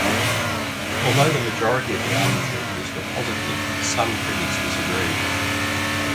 Although the majority of the album's reviews were positive, some critics disagreed.